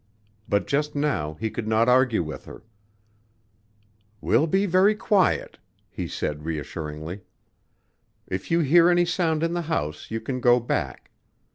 But just now he could not argue with her. "We'll be very quiet," he said reassuringly. "If you hear any sound in the house you can go back.